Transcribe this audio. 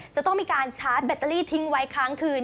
จะต้องมีการชาร์จแบตเตอรี่ทิ้งไว้ค้างคืน